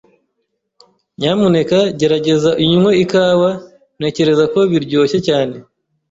Nyamuneka gerageza unywe ikawa. Ntekereza ko biryoshye cyane.